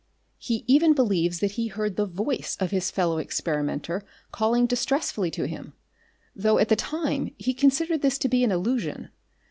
He even believes that he heard the voice of his fellow experimenter calling distressfully to him, though at the time he considered this to be an illusion.